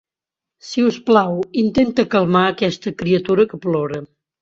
Si us plau, intenta calmar a aquesta criatura que plora.